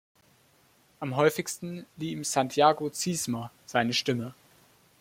Am häufigsten lieh ihm Santiago Ziesmer seine Stimme.